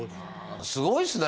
すごいですね。